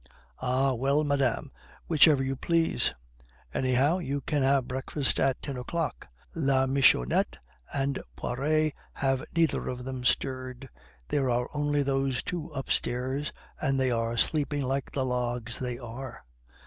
"Ah, well, madame, whichever you please. Anyhow, you can have breakfast at ten o'clock. La Michonnette and Poiret have neither of them stirred. There are only those two upstairs, and they are sleeping like the logs they are."